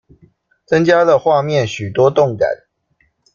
增加了畫面許多動感